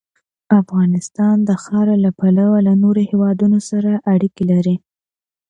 افغانستان د خاوره له پلوه له نورو هېوادونو سره اړیکې لري.